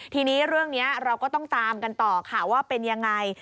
ทีนี้เรื่องนี้เราก็ต้องตามกันต่อค่ะว่าเป็นยังไง